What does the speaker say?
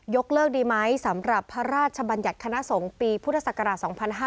เลิกดีไหมสำหรับพระราชบัญญัติคณะสงฆ์ปีพุทธศักราช๒๕๕๙